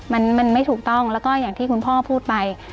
มันไม่ถูกต้องแล้วก็อย่างที่คุณพ่อพูดไป